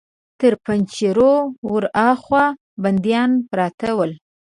تر پنجرو ور هاخوا بنديان پراته ول.